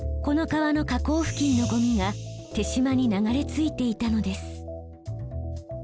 この川の河口付近のゴミが手島に流れ着いていたのです。